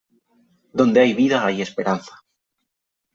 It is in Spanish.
Donde hay vida hay esperanza.